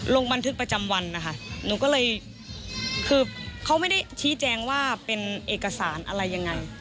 ลงบันทึกประจำวันนะคะหนูก็เลยคือเขาไม่ได้ชี้แจงว่าเป็นเอกสารอะไรยังไง